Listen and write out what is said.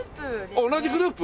あっ同じグループ？